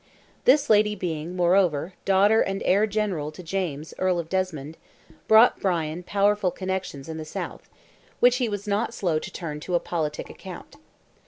This lady being, moreover, daughter and heir general to James, Earl of Desmond, brought Bryan powerful connections in the South, which he was not slow to turn to a politic account.